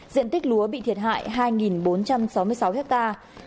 diện tích lúa bị thiệt hại hai bốn trăm sáu mươi sáu hectare